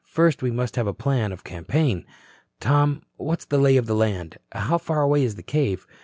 "First we must have a plan of campaign. Tom, what's the lay of the land? How far away is the cave?